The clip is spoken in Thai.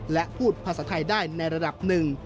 และพูดภาษาไทยได้ในระดับหนึ่ง